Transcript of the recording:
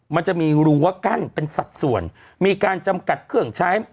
มันจะมีรั้วกั้นเป็นสัดส่วนมีการจำกัดเครื่องใช้